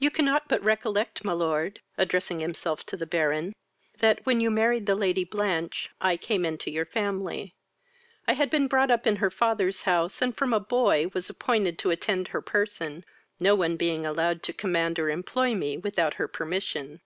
V. "You cannot but recollect, my lord, (addressing himself to the Baron,) that, when you married the Lady Blanch, I came into your family. I had been brought up in her father's house, and from a boy was appointed to attend her person, no one being allowed to command or employ me without her permission.